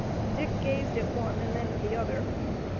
Dick gazed at one and then at the other.